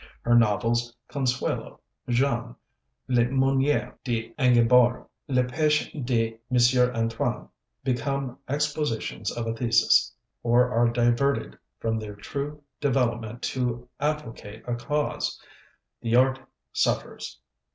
Her novels Consuelo, Jeanne, Le Meunier d'Angibault, Le P├®ch├® de M. Antoine, become expositions of a thesis, or are diverted from their true development to advocate a cause. The art suffers.